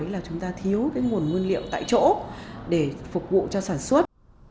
là chúng ta thiếu cái nguồn nguyên liệu tại chỗ để phục vụ cho sản xuất